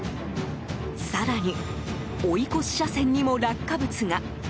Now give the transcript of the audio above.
更に、追い越し車線にも落下物が。